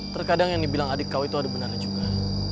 terkadang yang dibilang adik kau itu ada benarnya juga